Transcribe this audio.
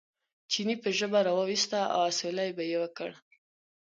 چیني به ژبه را وویسته او اسوېلی به یې وکړ.